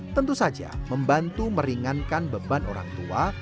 tentu saja membantu meringankan beban orang tua